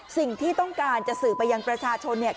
ซิ่งที่ต้องการอย่างประชาชนเนี่ย